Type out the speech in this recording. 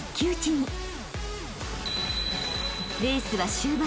［レースは終盤。